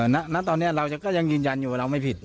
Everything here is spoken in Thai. ณตอนนี้เราก็ยังยืนยันอยู่ว่าเราไม่ผิด